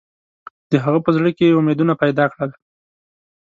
د هغه په زړه کې یې امیدونه پیدا کړل.